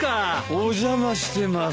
お邪魔してます。